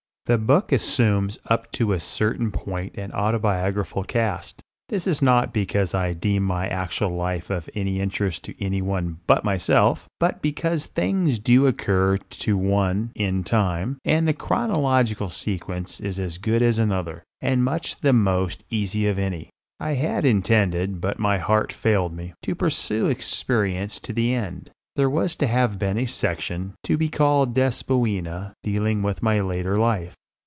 The book assumes up to a certain point an autobiographical cast. This is not because I deem my actual life of any interest to any one but myself, but because things do occur to one "in time," and the chronological sequence is as good as another, and much the most easy of any. I had intended, but my heart failed me, to pursue experience to the end. There was to have been a section, to be called "Despoina," dealing with my later life.